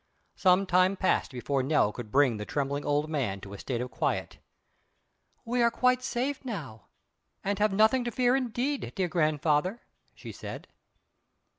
Some time passed before Nell could bring the trembling old man to a state of quiet. "We are quite safe now, and have nothing to fear indeed, dear grandfather," she said.